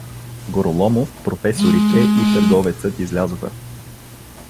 Гороломов, професорите и търговецът излязоха.